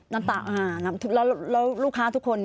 น้ำตาอะไรเลยค่ะน้ำตาแล้วลูกค้าทุกคน